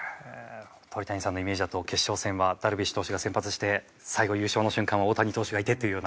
鳥谷さんのイメージだと決勝戦はダルビッシュ投手が先発して最後優勝の瞬間は大谷投手がいてというような？